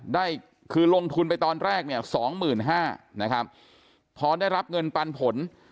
ได้คือลงทุนไปตอนแรกเนี่ยสองหมื่นห้านะครับพอได้รับเงินปันผล